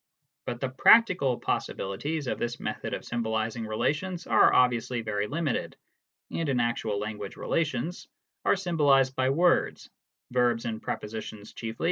But the practical possibilities of this method of symbolising relations are obviously very limited, and in actual language relations are HOW PROPOSITIONS MEAN.